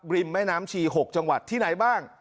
แม่น้ำชี๖จังหวัดที่ไหนบ้าง